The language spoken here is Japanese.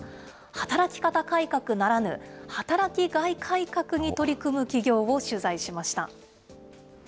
働き方改革ならぬ、働きがい改革に取り組む企業を取材しました。